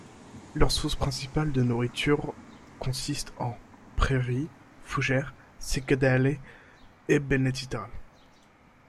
Leurs sources principales de nourriture consistent en prairies, fougères, Cycadales et Bennettitales.